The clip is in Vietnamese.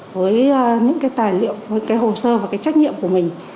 với những cái tài liệu với cái hồ sơ và cái trách nhiệm của mình